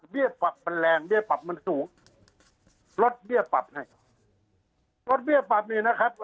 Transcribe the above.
ปรับมันแรงเบี้ยปรับมันสูงลดเบี้ยปรับให้ลดเบี้ยปรับนี่นะครับ